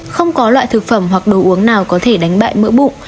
không có loại thực phẩm hoặc đồ uống nào có thể đánh bại mỡ bụng